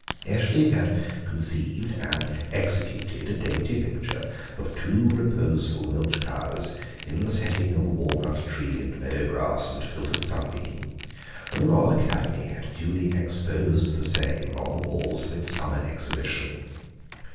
Eshley had conceived and executed a dainty picture of two reposeful milch cows in a setting of walnut tree and meadow grass and filtered sunbeam, and the Royal Academy had duly exposed the same on the walls of its Summer Exhibition.